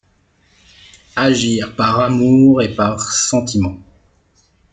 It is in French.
Agir par amour et par sentiment